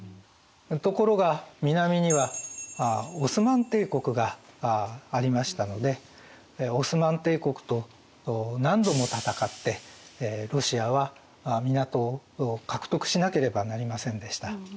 ところが南にはオスマン帝国がありましたのでオスマン帝国と何度も戦ってロシアは港を獲得しなければなりませんでした。